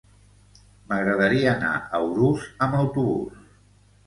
M'agradaria anar a Urús amb autobús.